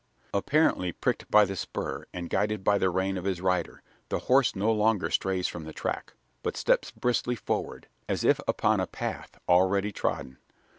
Apparently pricked by the spur, and guided by the rein, of his rider, the horse no longer strays from the track; but steps briskly forward, as if upon a path already trodden.